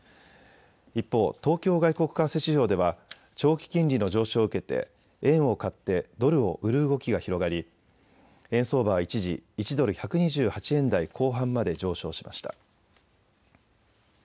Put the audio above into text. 一方、東京外国為替市場では長期金利の上昇を受けて円を買ってドルを売る動きが広がり円相場は一時１ドル１２８円台後半まで上昇しました。